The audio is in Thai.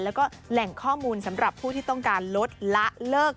แล้วก็แหล่งข้อมูลสำหรับผู้ที่ต้องการลดละเลิก